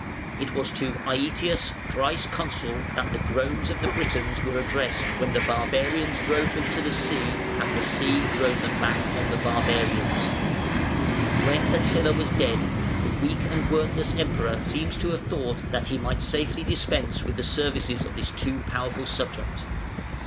It was to "Aëtius, thrice Consul", that "the groans of the Britons" were addressed when "the Barbarians drove them to the sea, and the sea drove them back on the Barbarians". [Footnote 42: The Ronco and the Montone.] When Attila was dead, the weak and worthless Emperor seems to have thought that he might safely dispense with the services of this too powerful subject.